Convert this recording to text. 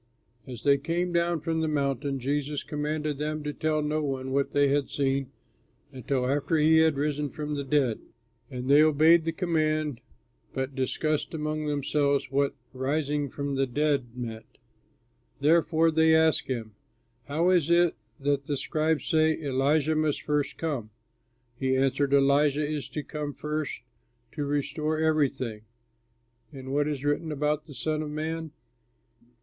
As they came down from the mountain, he commanded them to tell no one what they had seen until after he had risen from the dead. And they obeyed the command but discussed among themselves what "rising from the dead" meant. Therefore they asked him, "How is it that the scribes say, 'Elijah must first come'?" He answered, "Elijah is to come first to restore everything. And what is written about the Son of Man?